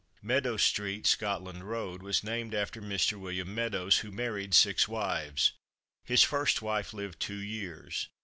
Meadows street, Scotland road, was named after Mr. William Meadows, who married six wives. His first wife lived two years.